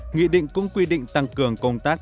nghị định cũng quy định tăng cường công tác